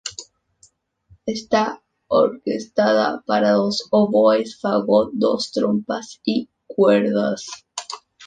Está orquestada para dos oboes, fagot, dos trompas y cuerdas.